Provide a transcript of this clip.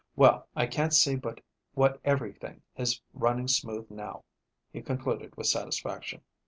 Well, I can't see but what everything is running smooth now," he concluded with satisfaction.